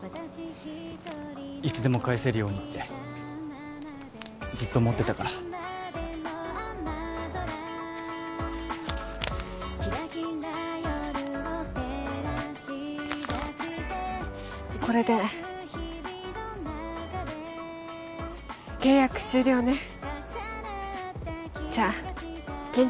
いつでも返せるようにってずっと持ってたからこれで契約終了ねじゃあ元気で